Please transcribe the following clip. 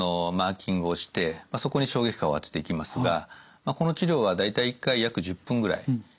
マーキングをしてそこに衝撃波を当てていきますがこの治療は大体１回約１０分ぐらい。